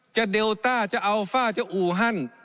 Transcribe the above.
เดลต้าจะอัลฟ่าจะอูฮัน